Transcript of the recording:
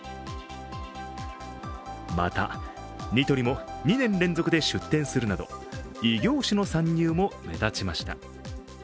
また、ニトリも２年連続で出展するなど異業種の参入も目立ちました。